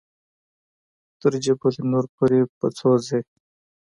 تر جبل نور پورې په څو ځې.